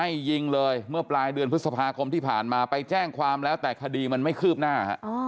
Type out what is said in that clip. ยิงเลยเมื่อปลายเดือนพฤษภาคมที่ผ่านมาไปแจ้งความแล้วแต่คดีมันไม่คืบหน้า